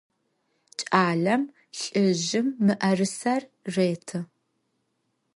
Ç'alem lh'ızjım mı'erıser rêtı.